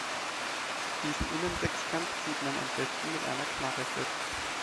Diesen Innensechskant zieht man am besten mit einer Knarre fest.